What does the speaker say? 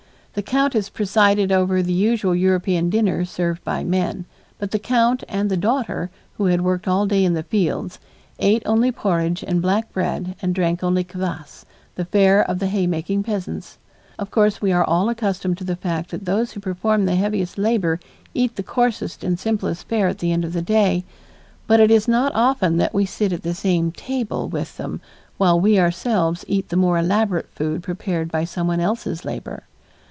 The countess presided over the usual European dinner served by men, but the count and the daughter, who had worked all day in the fields, ate only porridge and black bread and drank only kvas, the fare of the hay making peasants. Of course we are all accustomed to the fact that those who perform the heaviest labor eat the coarsest and simplest fare at the end of the day, but it is not often that we sit at the same table with them while we ourselves eat the more elaborate food prepared by someone else's labor.